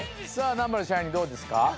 南原支配人どうですか？